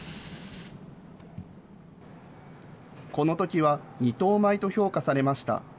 このときは２等米と評価されました。